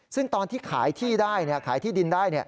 ซึ่งตอนที่ขายที่ได้ขายที่ดินได้